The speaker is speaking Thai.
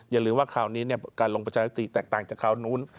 อย่าลืมว่าคราวนี้การลงประชามติแตกต่างจากคราวนู้น